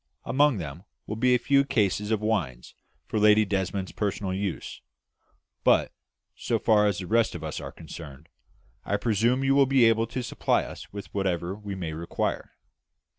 Among them will be a few cases of wines for Lady Desmond's personal use; but, so far as the rest of us are concerned, I presume you will be able to supply us with whatever we may require?"